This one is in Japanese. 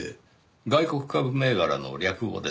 外国株銘柄の略語です。